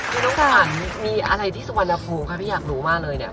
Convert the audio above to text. วันนี้นะคะคุณขวัดมีอะไรที่สุวรรณภูมิเว้ยอยากรู้มากเลยเนี่ย